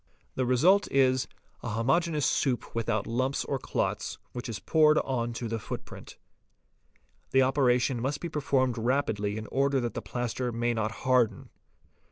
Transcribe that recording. The result is, a homogeneous soup without lumps or clots, which is poured on to the footprint. The operation must be performed rapidly in order that the plaster may not harden.